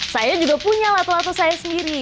saya juga punya lato lato saya sendiri